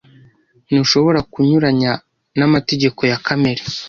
Ntushobora kunyuranya n'amategeko ya kamere.